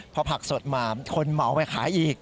พอผักสดมาคนเหมาไปขายอีก